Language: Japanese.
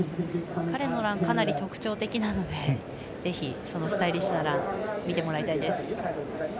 彼のラン、かなり特徴的なのでぜひ、そのスタイリッシュなラン見てもらいたいです。